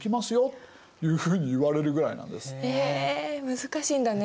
難しいんだね？